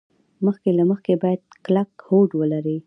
مخکې له مخکې باید کلک هوډ ولري.